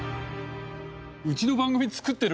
うちの番組作ってる？